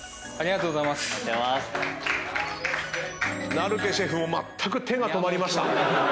成毛シェフもまったく手が止まりました。